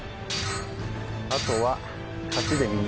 あとは。